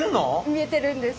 見えてるんです。